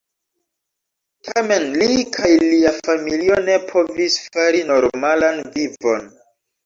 Tamen li kaj lia familio ne povis fari normalan vivon.